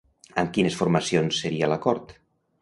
Amb quines formacions seria l'acord?